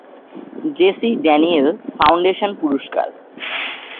JC Daniel foundation পুরস্কার